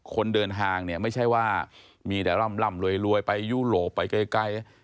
คนเดินทางเนี่ยไม่ใช่ว่ามีแต่ร่ำรวยไปยุโรปไปไกล